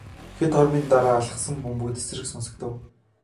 Хэдэн хормын дараа алсхан бөмбөг тэсрэх сонсогдов.